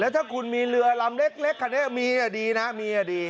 แล้วถ้าคุณมีเรือลำเล็กกันมีอย่างดี